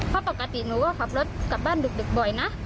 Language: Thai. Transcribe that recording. เพราะปกติหนูก็ขับรถกลับบ้านดึกบ่อยนะ